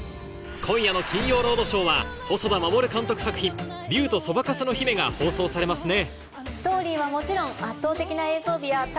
今夜の『金曜ロードショー』は細田守監督作品『竜とそばかすの姫』が放送されますね